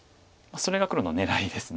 それが黒の狙いです。